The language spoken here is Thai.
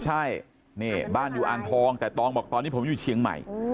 ใช่นี่บ้านอยู่อ่างทองแต่ตองบอกตอนนี้ผมอยู่เชียงใหม่